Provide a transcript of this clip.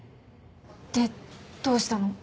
でどうしたの？